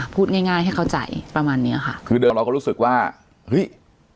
พูดง่ายง่ายให้เข้าใจประมาณเนี้ยค่ะคือเดิมเราก็รู้สึกว่าเฮ้ย